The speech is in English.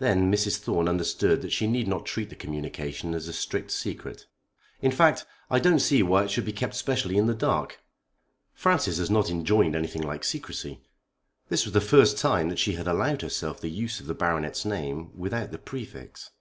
Then Mrs. Thorne understood that she need not treat the communication as a strict secret. "In fact, I don't see why it should be kept specially in the dark. Francis has not enjoined anything like secrecy." This was the first time that she had allowed herself the use of the Baronet's name without the prefix.